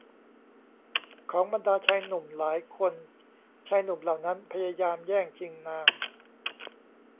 ของบรรดาชายหนุ่มหลายคนชายหนุ่มเหล่านั้นพยายามแย่งชิงนาง